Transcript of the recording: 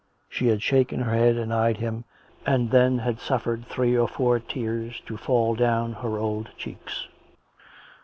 She had shaken her head and eyed him, and then had sruffcred three or four tears to fall down her old cheeks.